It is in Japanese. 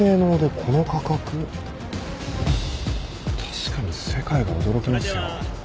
確かに世界が驚きますよ。